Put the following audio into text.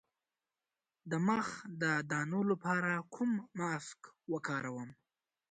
د مخ د دانو لپاره کوم ماسک وکاروم؟